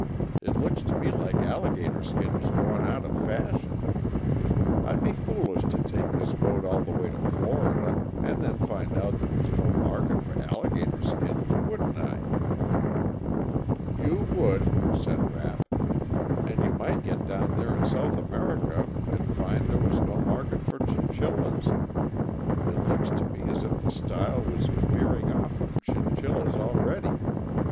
It looks to me like alligator skin was going out of fashion. I'd be foolish to take this boat all the way to Florida and then find out there was no market for alligator skins, wouldn't I?" "You would," said Rapp. "And you might get down there in South America and find there was no market for chinchillas. It looks to me as if the style was veering off from chinchillas already.